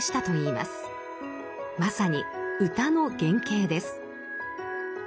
まさに「歌」の原型です。